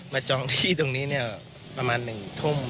มาจ้องที่ตรงนี้ประมาณหนึ่งทุ่ม